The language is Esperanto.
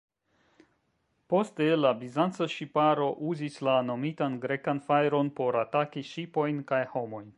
Poste la Bizanca ŝiparo uzis la nomitan Grekan fajron por ataki ŝipojn kaj homojn.